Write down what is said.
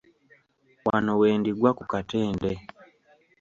Wano wendigwa ku Katende.